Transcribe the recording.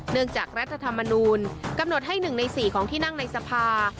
จากรัฐธรรมนูลกำหนดให้๑ใน๔ของที่นั่งในสภา